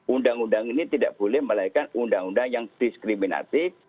undang undang ini tidak boleh melahirkan undang undang yang diskriminatif